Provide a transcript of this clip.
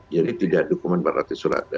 jadi tidak dokumen berarti surat